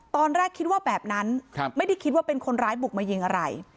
ตอนแรกคิดว่าแบบนั้นไม่ได้คิดว่าเป็นคนร้ายบุกมายิงอะไร